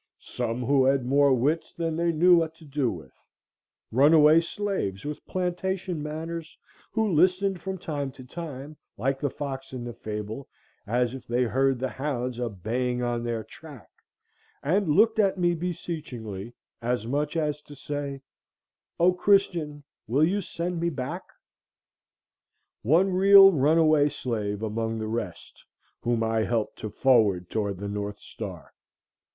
Some who had more wits than they knew what to do with; runaway slaves with plantation manners, who listened from time to time, like the fox in the fable, as if they heard the hounds a baying on their track, and looked at me beseechingly, as much as to say,— "O Christian, will you send me back?" One real runaway slave, among the rest, whom I helped to forward toward the northstar.